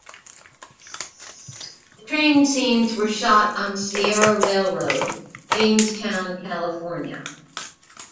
The train scenes were shot on Sierra Railroad, Jamestown, California.